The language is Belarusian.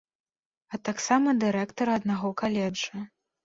А таксама дырэктара аднаго каледжа.